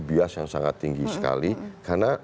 bias yang sangat tinggi sekali karena